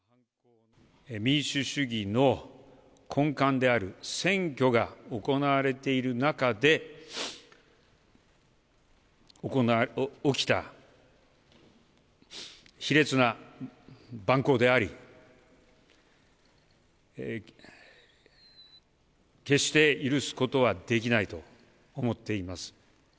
民主主義の根幹である選挙が行われている中で、起きた、卑劣な蛮行であり、決して許すことはできないと思っています。